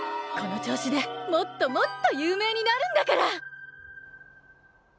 この調子でもっともっと有名になるんだから！